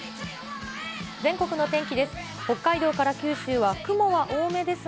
全国の天気です。